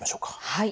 はい。